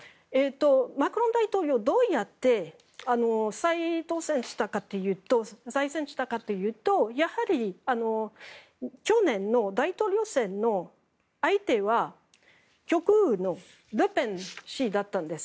マクロン大統領どうやって再当選したかというと再選したかというとやはり去年の大統領選の相手は極右のルペン氏だったんです。